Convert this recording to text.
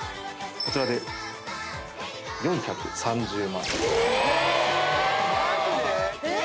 こちらで４３０万円え！